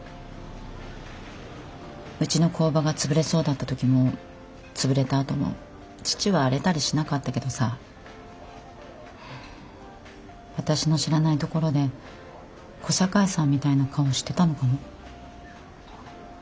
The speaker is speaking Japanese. うちの工場が潰れそうだった時も潰れたあとも父は荒れたりしなかったけどさ私の知らないところで小堺さんみたいな顔してたのかも。